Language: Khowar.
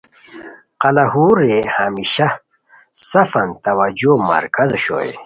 قلاہور رے ہمیشہ سفان توجہو مرکز اوشوئے